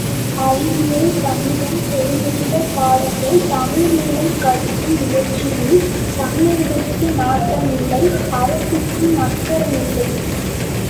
அறிவியல், கணிதம், தொழில்நுட்பப் பாடங்கள் தமிழ் மூலம் கற்கும் முயற்சியில் தமிழர்களுக்கு நாட்டம் இல்லை அரசுக்கும் அக்கறை இல்லை.